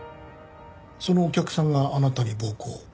そのお客さんがあなたに暴行を？